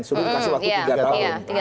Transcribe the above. sudah dikasih waktu tiga tahun